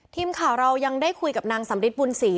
ทีมข่าวเรายังได้คุยกับนางสำริทบุญศรี